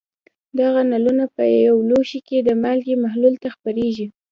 دغه نلونه په یو لوښي کې د مالګې محلول ته خپرېږي.